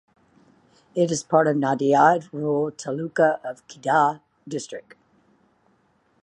It is part of Nadiad (rural) Taluka of Kheda district.